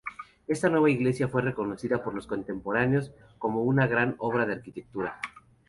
Esta nueva iglesia fue reconocida por los contemporáneos como una gran obra de arquitectura.